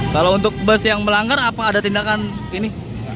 kalau untuk bus yang melanggar apa ada tindakan ini